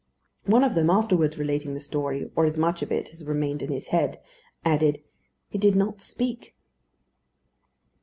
One of them, afterwards relating the story, or as much of it as had remained in his head, added, "It did not speak."